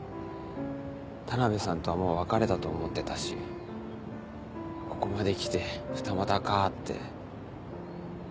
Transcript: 田辺さんとはもう別れたと思ってたしここまで来て二股かって。